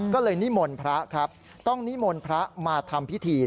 ก็เลยนิมนต์พระครับต้องนิมนต์พระมาทำพิธี